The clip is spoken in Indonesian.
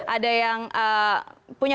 ada yang punya